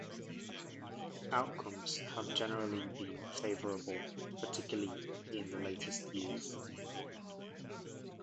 Outcomes have generally been favorable, particularly in the latest years.